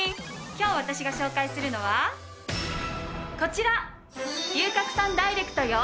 今日私が紹介するのはこちら！